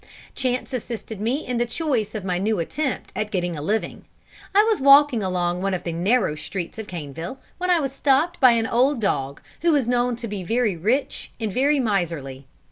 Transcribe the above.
Chance assisted me in the choice of my new attempt at getting a living. I was walking along one of the narrow streets of Caneville, when I was stopped by an old dog, who was known to be very rich and very miserly.